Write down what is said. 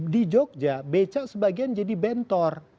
di yogyakarta bca sebagian jadi bentor